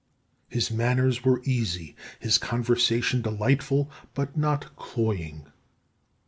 His manners were easy, his conversation delightful, but not cloying.